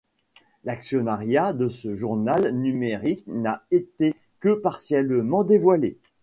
L'actionnariat de ce journal numérique n'a été que partiellement dévoilé.